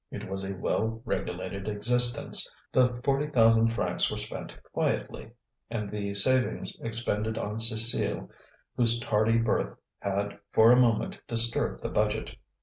It was a well regulated existence; the forty thousand francs were spent quietly, and the savings expended on Cécile, whose tardy birth had for a moment disturbed the budget.